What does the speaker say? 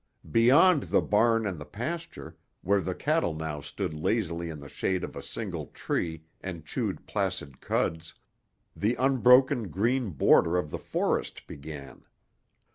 Beyond the barn and the pasture, where the cattle now stood lazily in the shade of a single tree and chewed placid cuds, the unbroken green border of the forest began.